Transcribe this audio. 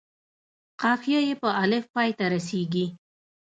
قافیه یې په الف پای ته رسيږي.